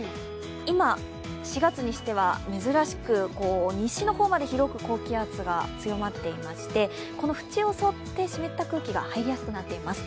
今、４月にしては珍しく西の方まで広く高気圧が広がっていましてこの縁を沿って湿った空気が入りやすくなっています。